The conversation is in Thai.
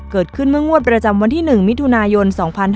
เกิดขึ้นเมื่องวดประจำวันที่๑มิถุนายน๒๕๕๙